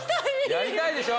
やりたいでしょう？